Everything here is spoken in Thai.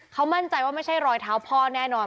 เขามั่นใจว่าไม่ใช่รอยเท้าพ่อแน่นอน